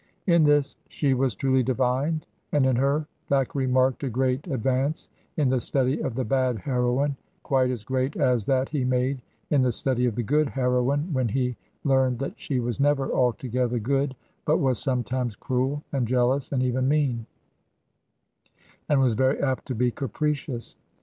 In this she was truly divined, and in her Thackeray marked a great ad vance in the study of the bad heroine, quite as great as that he made in the study of the good heroine when he learned that she was never altogether good, but was sometimes cruel and jealous and even mean, and was very apt to be capricious.